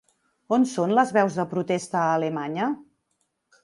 On són les veus de protesta a Alemanya?